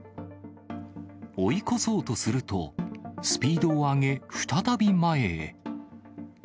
追い越そうとすると、スピードを上げ、再び前へ。